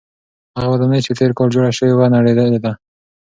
هغه ودانۍ چې تېر کال جوړه شوې وه نړېدلې ده.